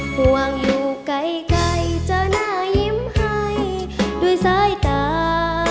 ควางอยู่ใกล้ใกล้เจอน่ายิ้มให้ด้วยสายตา